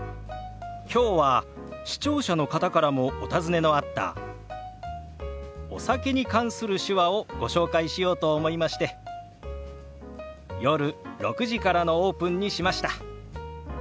きょうは視聴者の方からもお尋ねのあったお酒に関する手話をご紹介しようと思いまして夜６時からのオープンにしました。